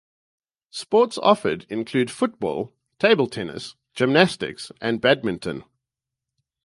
Sports offered include football, table tennis, gymnastics and badminton.